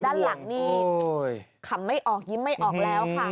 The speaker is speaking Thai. ด้านหลังนี่ขำไม่ออกยิ้มไม่ออกแล้วค่ะ